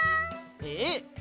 えっ？